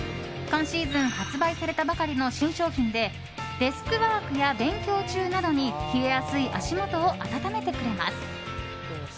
今シーズン発売されたばかりの新商品でデスクワークや勉強中などに冷えやすい足元を温めてくれます。